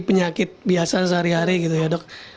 penyakit biasa sehari hari gitu ya dok